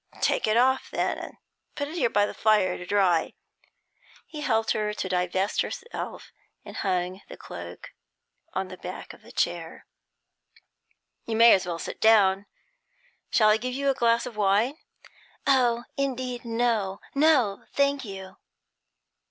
'Take it off, then, and put it here by the fire to dry.' He helped her to divest herself, and hung the cloak on to the back of a chair. 'You may as well sit down. Shall I give you a glass of wine?' 'Oh, indeed, no! No, thank you!'